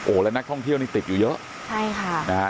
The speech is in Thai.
โอ้โหแล้วนักท่องเที่ยวนี่ติดอยู่เยอะใช่ค่ะนะฮะ